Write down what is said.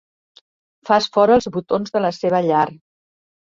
Fas fora els botons de la seva llar.